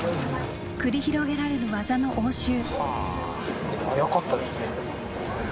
繰り広げられる技の応酬。